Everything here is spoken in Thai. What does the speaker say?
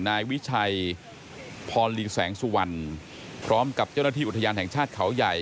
นายวิชัยพรลีแสงสุวรรณพร้อมกับเจ้าหน้าที่อุทยานแห่งชาติเขาใหญ่